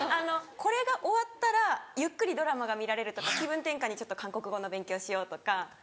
これが終わったらゆっくりドラマが見られるとか気分転換にちょっと韓国語の勉強しようとか。